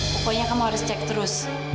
pokoknya kamu harus cek terus